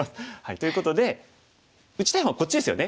ということで打ちたい方はこっちですよね。